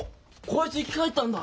こいつ生き返ったんだ。